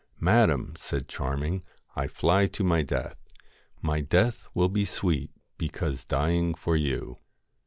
' Madam,' said Charming, 'I fly to my death. My death will be sweet because dying for you.'